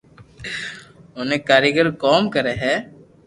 اوتي ڪاريگر ڪوم ڪري ھي